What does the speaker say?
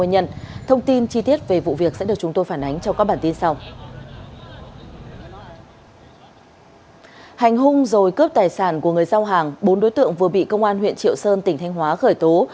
hành hung rồi cướp tài sản của người giao hàng bốn đối tượng vừa bị công an huyện triệu sơn tỉnh thanh hóa khởi tố